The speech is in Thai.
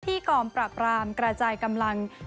กองปราบรามกระจายกำลัง